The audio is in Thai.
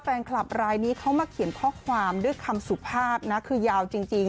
แฟนคลับรายนี้เขามาเขียนข้อความด้วยคำสุภาพนะคือยาวจริง